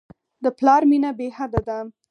د پلار مینه بېحده ده.